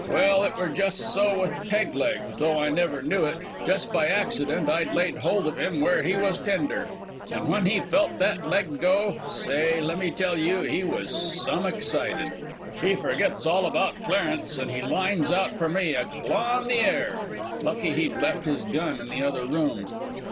"Well, it were just so with Peg leg though I never knew it. Just by accident I'd laid holt of him where he was tender; an' when he felt that leg go say, lemme tell you, he was some excited. He forgits all about Clarence, and he lines out for me, a clawin' the air. Lucky he'd left his gun in the other room.